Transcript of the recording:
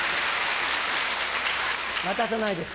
渡さないです。